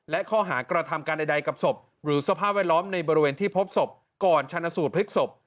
และข้อหากระทำการใดกับศพหรือสภาพแวดล้อมในบริเวณที่พบศพก่อนชนะสูตรพลิกศพ